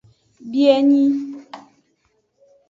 Bienyi.